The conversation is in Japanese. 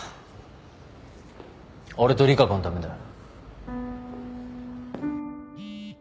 俺と利佳子のためだよ。